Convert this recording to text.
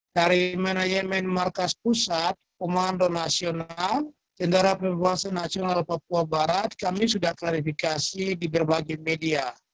dari manajemen markas pusat komando nasional tni pnpb kami sudah klarifikasi di berbagai media